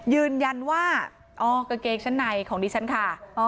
ยืนยันว่าอ๋อกางเกงชั้นในของดิฉันค่ะ